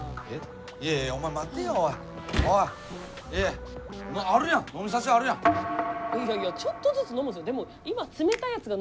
いやいやちょっとずつ飲むんですよ。